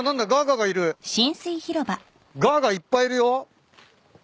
ガーガいっぱいいるよ。